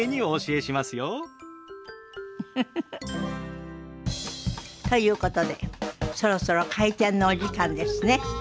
ウフフフ。ということでそろそろ開店のお時間ですね。